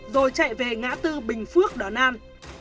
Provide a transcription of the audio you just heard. rồi chạy về ngã tư bình phước đón an